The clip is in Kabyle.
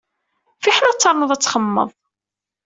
Fiḥel ad ternuḍ ad txemmemeḍ.